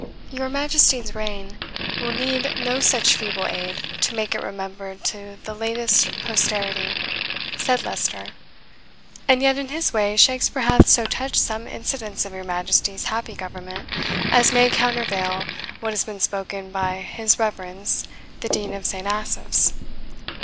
"Your Majesty's reign will need no such feeble aid to make it remembered to the latest posterity," said Leicester. "And yet, in his way, Shakespeare hath so touched some incidents of your Majesty's happy government as may countervail what has been spoken by his reverence the Dean of St. Asaph's.